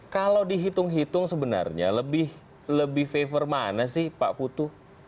kalau dihitung hitung sebenarnya lebih favor mana sih pak putu